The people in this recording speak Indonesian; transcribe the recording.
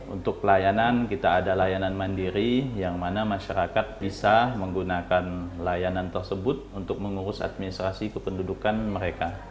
untuk pelayanan kita ada layanan mandiri yang mana masyarakat bisa menggunakan layanan tersebut untuk mengurus administrasi kependudukan mereka